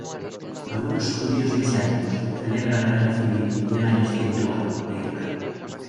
Algunos judíos mesiánicos celebran el año civil y el año espiritual de Israel.